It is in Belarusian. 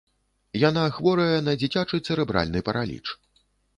Яна хворая на дзіцячы цэрэбральны параліч.